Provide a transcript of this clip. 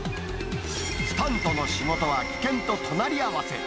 スタントの仕事は、危険と隣り合わせ。